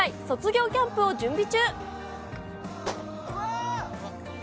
卒業キャンプを準備中。